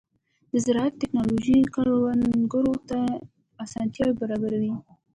د زراعت ټیکنالوژي کروندګرو ته اسانتیاوې برابروي.